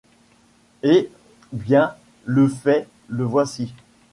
Eh ! bien, le fait, le voici.